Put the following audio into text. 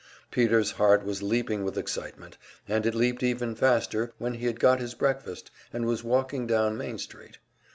Peter's heart was leaping with excitement; and it leaped even faster when he had got his breakfast and was walking down Main Street.